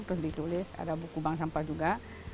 terus ditulis ada buku bank sampah juga